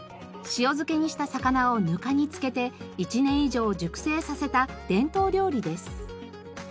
塩漬けにした魚をぬかに漬けて１年以上熟成させた伝統料理です。